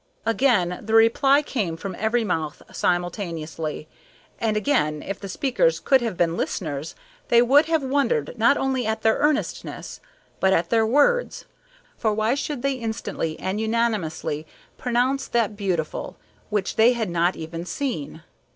Again the reply came from every mouth simultaneously, and again if the speakers could have been listeners they would have wondered not only at their earnestness, but at their words, for why should they instantly and unanimously pronounce that beautiful which they had not even seen?